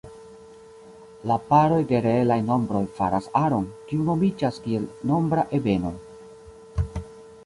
La paroj de reelaj nombroj faras aron, kiu nomiĝas kiel nombra ebeno.